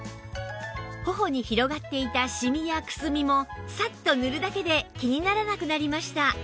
頬に広がっていたシミやくすみもサッと塗るだけで気にならなくなりました